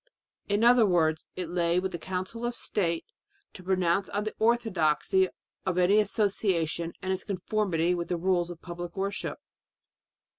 In other words it lay with the Council of State to pronounce on the orthodoxy of any association and its conformity with the rules of public worship.